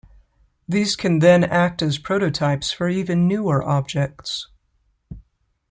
These can then act as prototypes for even newer objects.